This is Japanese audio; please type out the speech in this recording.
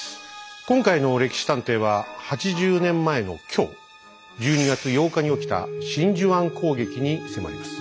今回の「歴史探偵」は８０年前の今日１２月８日に起きた真珠湾攻撃に迫ります。